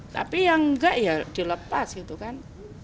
tapi yang enggak ya dilepas gitu kan